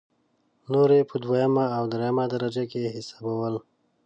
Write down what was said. نور یې په دویمه او درېمه درجه کې حسابول.